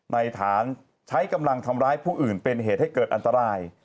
ในฐานใช้กำลังทำร้ายผู้อื่นเป็นเหตุให้เกิดอันตราย